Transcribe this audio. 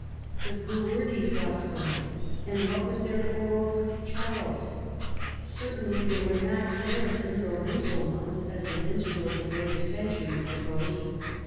But who were these Wascones, and what was their quarrel with Charles ? Certainly they Avere not Saracens or Mussulmans as the minstrels of later centuries supposed.